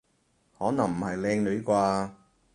可能唔係靚女啩？